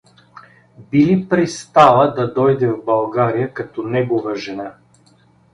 Би ли пристала да дойде в България като негова жена?